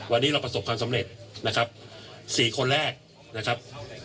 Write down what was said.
วันนี้เราประสบความสำเร็จนะครับ๔คนแรกนะครับ